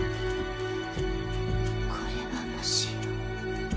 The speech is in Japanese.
これはもしや。